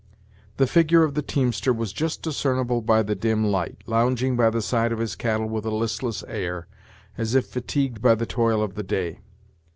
The figure of the teamster was just discernible by the dim light, lounging by the side of his cattle with a listless air, as if fatigued by the toil of the day.